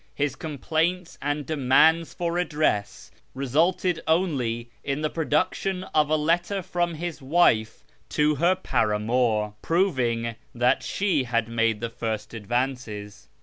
His complaints and demands for redress resulted only in the pro duction of a letter from his wife to her paramour, proving that she had made the first advances.